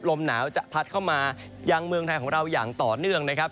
ลมหนาวจะพัดเข้ามายังเมืองไทยของเราอย่างต่อเนื่องนะครับ